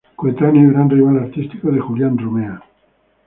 Coetáneo y gran rival artístico de Julián Romea.